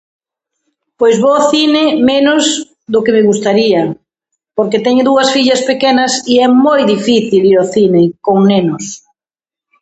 Pois vou ao cine menos do que me gustaría porque teño dúas fillas pequenas e é moi difícil ir ao cine con nenos.